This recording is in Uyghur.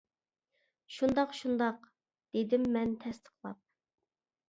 — شۇنداق، شۇنداق، — دېدىممەن تەستىقلاپ.